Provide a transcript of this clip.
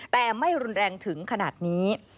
แต่ไม่รุนแรงถึงขนาดนี้